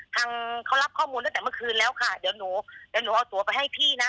ทางเขารับข้อมูลตั้งแต่เมื่อคืนแล้วค่ะเดี๋ยวหนูเดี๋ยวหนูเอาตัวไปให้พี่นะ